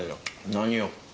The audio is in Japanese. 何を？